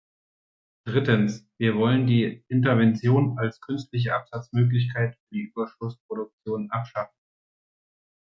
Drittens: Wir wollen die Intervention als künstliche Absatzmöglichkeit für die Überschussproduktion abschaffen.